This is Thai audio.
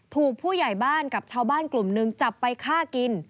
ผู้ใหญ่บ้านกับชาวบ้านกลุ่มหนึ่งจับไปฆ่ากิน